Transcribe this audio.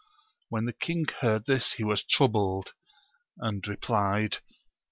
When the king heard this he was troubled, and replied.